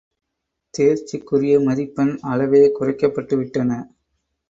தேர்ச்சிக்குரிய மதிப்பெண் அளவே குறைக்கப்பட்டு விட்டன!